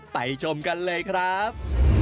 ชมกันเลยครับ